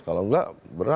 kalau enggak berat lah